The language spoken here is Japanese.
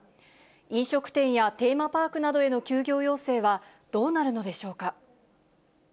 飲食店やテーマパークへの休業要請は、どうなるのでしょうか。